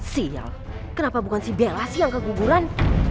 sial kenapa bukan si bel yang keguguran